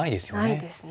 ないですね。